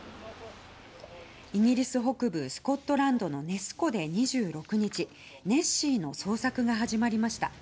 イギリス北部スコットランドのネス湖で２６日、ネッシーの捜索が始まりました。